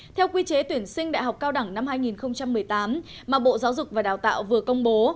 theo quy chế tuyển sinh đại học cao đẳng năm hai nghìn một mươi tám mà bộ giáo dục và đào tạo vừa công bố